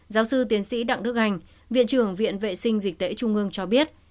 giáo sư tiến sĩ đặng đức anh viện trưởng viện vệ sinh dịch tễ trung ương cho biết